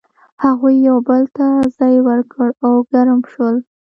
هغوی یو بل ته ځای ورکړ او ګرم شول.